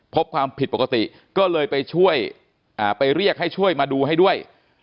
พบความผิดปกติก็เลยไปช่วยไปเรียกให้ช่วยมาดูให้ด้วย